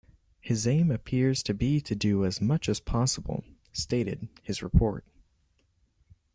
His aim appears to be to do as much as possible, stated his report.